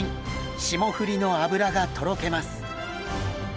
霜降りの脂がとろけます！